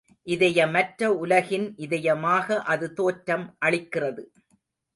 இதயமற்ற உலகின் இதயமாக அது தோற்றம் அளிக்கிறது.